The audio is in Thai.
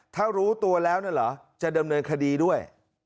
ถ้ารู้ตัวแล้วเนี่ยเหรอจะดำเนินคดีด้วย